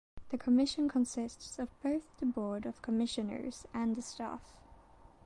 The commission consists of both the board of commissioners and the staff.